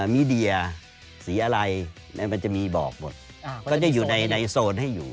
มีเดียสีอะไรมันจะมีบอกหมดก็จะอยู่ในโซนให้อยู่